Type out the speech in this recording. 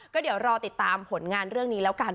ก็เดี๋ยวรอติดตามผลงานเรื่องนี้แล้วกัน